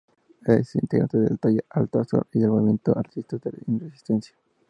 Ex integrante del "Taller Altazor" y del movimiento "Artistas en Resistencia".